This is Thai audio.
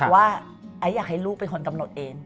ว่าไอ้อยากให้ลูกเป็นคนกำหนดเอง